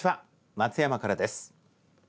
松山からです。